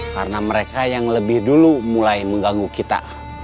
karena mereka yang lebih dulu mulai mengganggu kita